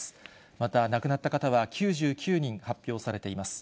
また亡くなった方は９９人発表されています。